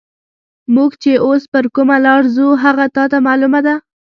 موږ چې اوس پر کومه لار ځو، هغه تا ته معلومه ده؟